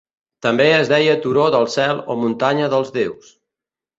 També es deia Turó del cel o Muntanya dels déus.